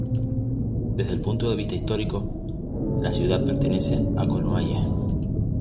Desde el punto de vista histórico, la ciudad pertenece a Cornualles.